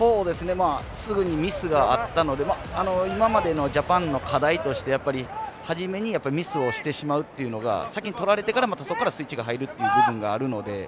すぐにミスがあったので今までのジャパンの課題として、やっぱりはじめにミスをしてしまうというのが先に取られてからスイッチが入る部分があるので。